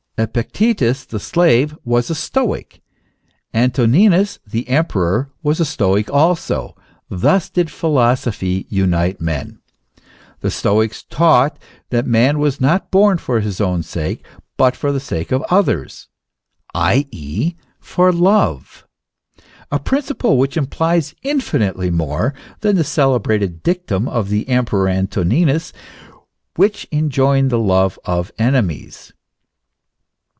Epictetus, the slave, was a Stoic; Antoninus, the emperor, was a Stoic also * thus did philosophy unite men. The Stoics taught* that man was not born for his own sake, but for the sake of others, i.e., for love : a principle which implies infinitely more than the celebrated dictum of the Emperor Antoninus, which enjoined the love of enemies.